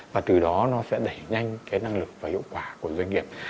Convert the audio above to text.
và từ đó nó sẽ đẩy nhanh cái năng lực và hiệu quả của doanh nghiệp